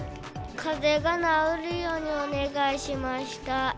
かぜが治るようにお願いしました。